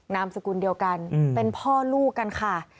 นามสกุลเดียวกันเป็นพ่อลูกกันค่ะ